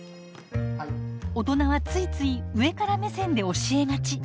大人はついつい上から目線で教えがち。